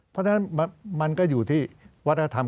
เพราะฉะนั้นมันก็อยู่ที่วัฒนธรรม